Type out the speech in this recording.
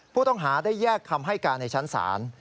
ผู้ต้องหาได้แยกคำให้การในชั้นศาล